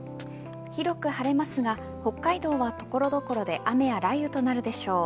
広く晴れますが北海道は所々で雨や雷雨となるでしょう。